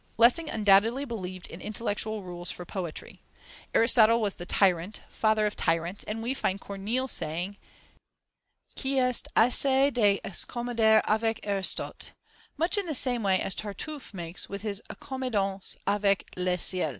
Lessing undoubtedly believed in intellectual rules for poetry. Aristotle was the tyrant, father of tyrants, and we find Corneille saying "qu'il est aisé de s'accommoder avec Aristote," much in the same way as Tartuffe makes his "accommodements avec le ciel."